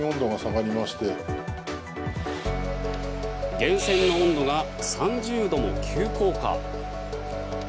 源泉の温度が３０度も急降下。